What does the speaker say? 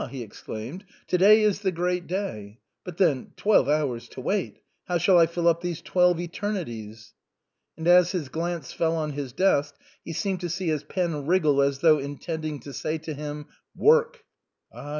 he exclaimed ;" to day is the great day. But then twelve hours to wait. How shall I fill up these twelve eternities? " And as his glance fell on his desk he seemed to see his pen wriggle as though intending to say to him " Work." "Ah